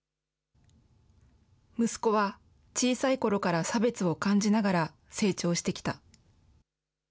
息子は小さいころから差別を感じながら成長してきた。